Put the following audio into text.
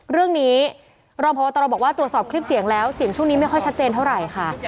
เรื่องนี้รองพบตรบอกว่าตรวจสอบคลิปเสียงแล้วเสียงช่วงนี้ไม่ค่อยชัดเจนเท่าไหร่ค่ะ